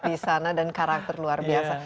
di sana dan karakter luar biasa